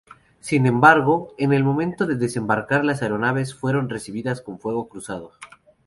Sin embargo, en el momento de desembarcar las aeronaves fueron recibidas con fuego cruzado.